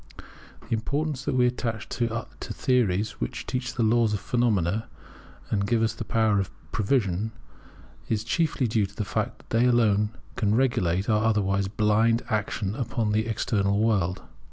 The importance that we attach to theories which teach the laws of phenomena, and give us the power of prevision, is chiefly due to the fact that they alone can regulate our otherwise blind action upon the external world.